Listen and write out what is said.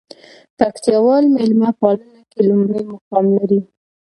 پکتياوال ميلمه پالنه کې لومړى مقام لري.